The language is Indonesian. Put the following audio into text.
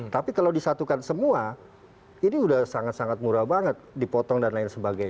tapi kalau disatukan semua ini sudah sangat sangat murah banget dipotong dan lain sebagainya